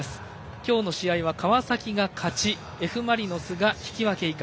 きょうの試合は川崎が勝ち、Ｆ・マリノスが引き分け以下。